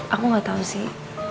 aku nggak tahu sih